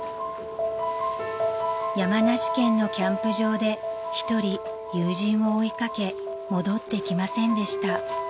［山梨県のキャンプ場で一人友人を追い掛け戻ってきませんでした］